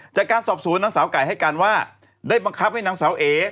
จากการสอบสวนนางสาวไก่ให้การว่าได้บังคับให้นางสาวเอ๋